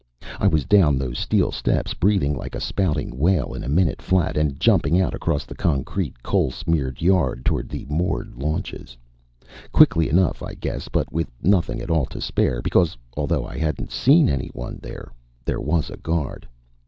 I was down those steel steps, breathing like a spouting whale, in a minute flat, and jumping out across the concrete, coal smeared yard toward the moored launches. Quickly enough, I guess, but with nothing at all to spare, because although I hadn't seen anyone there, there was a guard.